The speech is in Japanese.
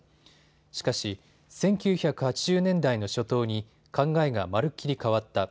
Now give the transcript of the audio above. しかし１９８０年代の初頭に考えがまるっきり変わった。